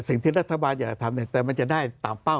สิ่งที่รัฐบาลอยากจะทำแต่มันจะได้ตามเป้า